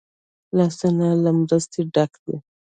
لاسونه له مرستې ډک دي